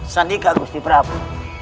sandika agusti prabu